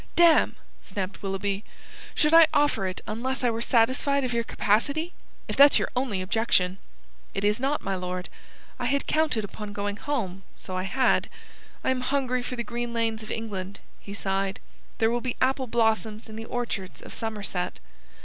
"Damme!" snapped Willoughby, "Should I offer it unless I were satisfied of your capacity? If that's your only objection...." "It is not, my lord. I had counted upon going home, so I had. I am hungry for the green lanes of England." He sighed. "There will be apple blossoms in the orchards of Somerset."